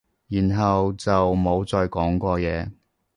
然後就冇再講過嘢